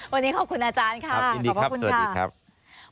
วันนี้ขอบคุณอาจารย์ค่ะครับยินดีครับสวัสดีครับขอบคุณค่ะ